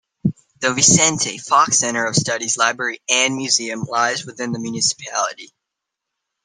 The Vicente Fox Center of Studies, Library and Museum lies within the municipality.